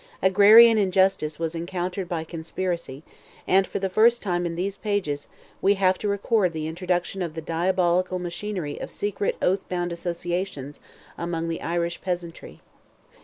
Agrarian injustice was encountered by conspiracy, and for the first time in these pages, we have to record the introduction of the diabolical machinery of secret oath bound associations among the Irish peasantry.